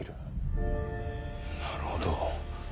なるほど。